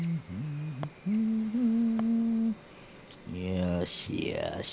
よしよし。